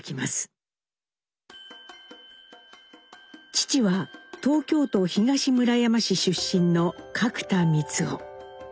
父は東京都東村山市出身の角田光男。